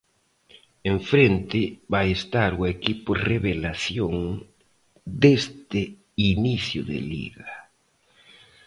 En fronte vai estar o equipo revelación deste inicio de Liga.